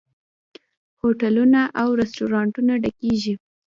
هوټلونه او رستورانتونه ډکیږي.